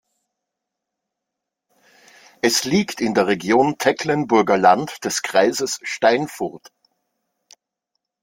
Es liegt in der Region Tecklenburger Land des Kreises Steinfurt.